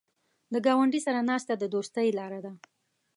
د ګاونډي سره ناسته د دوستۍ لاره ده